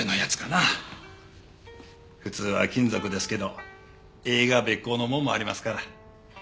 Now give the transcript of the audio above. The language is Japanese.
普通は金属ですけど柄がべっこうのもんもありますから。